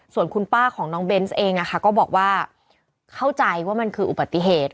ส่วนคุณป้าของน้องเบนส์เองก็บอกว่าเข้าใจว่ามันคืออุบัติเหตุ